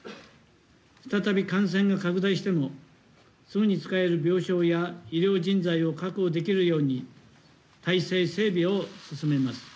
再び感染が拡大しても、すぐに使える病床や医療人材を確保できるように、体制、整備を進めます。